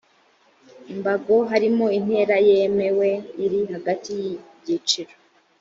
imbago harimo intera yemewe iri hagati y ibyiciro